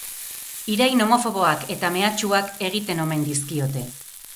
Irain homofoboak eta mehatxuak egiten omen dizkiote.